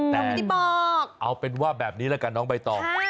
แต่เอาเป็นว่าแบบนี้ละกันน้องใบตอบ